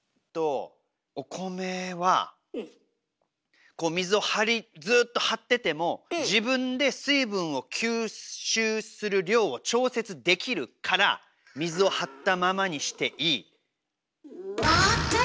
お米は水をずっと張ってても自分で水分を吸収する量を調節できるから水を張ったままにしていい。